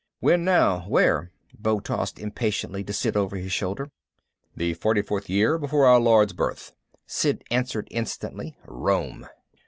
"When now? Where?" Beau tossed impatiently to Sid over his shoulder. "The forty fourth year before our Lord's birth!" Sid answered instantly. "Rome!"